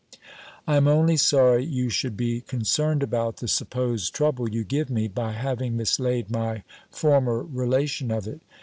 I am only sorry you should be concerned about the supposed trouble you give me, by having mislaid my former relation of it.